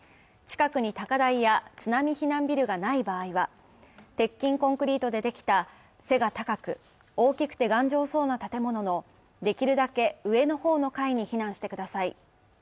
近くに高台や津波避難ビルがない場合は、鉄筋コンクリートでできた背が高く大きくて頑丈そうな建物のできるだけ上の方の階に避難してください